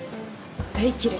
大嫌い。